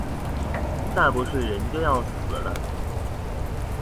再不睡人就要死了